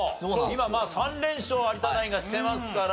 今３連勝有田ナインがしていますから。